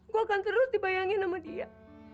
gue akan terus dibayangin sama dia